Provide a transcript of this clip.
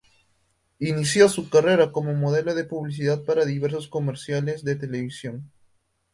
Inició su carrera como modelo de publicidad para diversos comerciales de televisión.